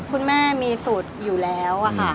คุณแม่มีสูตรอยู่แล้วค่ะ